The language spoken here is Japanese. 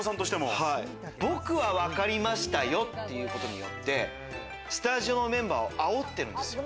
僕は分かりましたよっていうことによって、スタジオのメンバーを煽ってるんですよ。